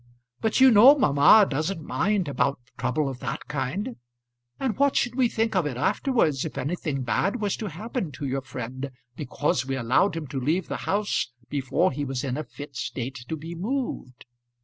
But you know mamma doesn't mind about trouble of that kind; and what should we think of it afterwards if anything bad was to happen to your friend because we allowed him to leave the house before he was in a fit state to be moved?